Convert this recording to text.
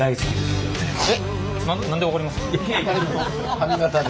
髪形で。